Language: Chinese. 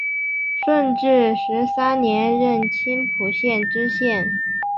顺治十三年任青浦县知县。